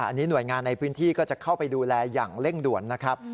อันนี้หน่วยงานในพื้นที่ก็จะเข้าไปดูแลอย่างเร่งด่วนนะครับ